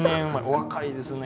お若いですね。